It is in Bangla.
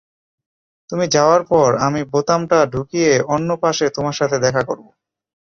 তুমি যাওয়ার পর, আমি বোতামটা ঢুকিয়ে অন্য পাশে তোমার সাথে দেখা করব।